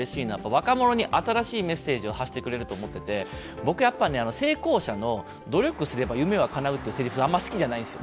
若者に新しいメッセージを発してくれると思っていて成功者の努力すれば夢はかなうというせりふはあまり好きじゃないんですよ。